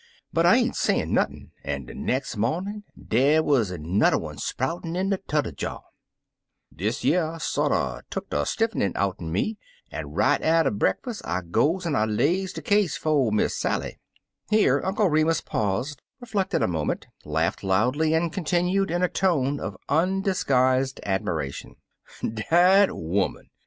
But I ain't sayin' nothin', an' de nex' mawnin' dey wuz er n'er one sproutin' in de t'er jaw. Dish yer sorter tuck de stiff'nin' outen me, an' right atter bre'k'us I goes an' I lays de case 'fo* Miss Sally." Here Uncle Remus paused, reflected a moment, laughed loudly, and continued in a tone of undisguised admiration: — Dat 'oman!